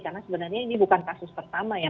karena sebenarnya ini bukan kasus pertama ya